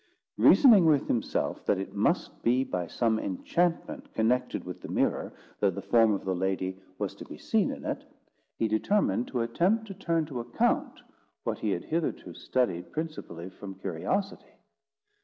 Reasoning with himself, that it must be by some enchantment connected with the mirror, that the form of the lady was to be seen in it, he determined to attempt to turn to account what he had hitherto studied principally from curiosity.